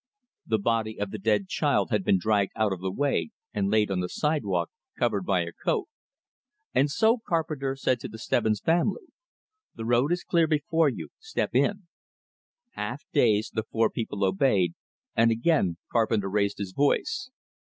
The body of the dead child had been dragged out of the way and laid on the sidewalk, covered by a coat; and so Carpenter said to the Stebbins family: "The road is clear before you. Step in." Half dazed, the four people obeyed, and again Carpenter raised his voice.